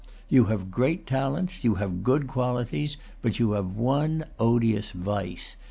You have great talents. You have good qualities. But you have one odious vice.